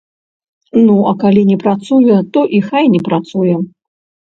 Ну а калі не працуе, то і хай не працуе.